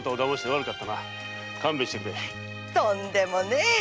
とんでもねぇ。